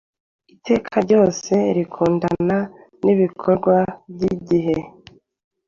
Iteka ryose rikundana nibikorwa byigihe.